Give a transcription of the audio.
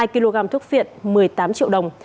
hai kg thuốc viện một mươi tám triệu đồng